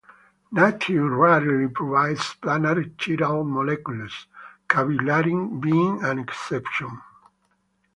Nature rarely provides planar chiral molecules, cavicularin being an exception.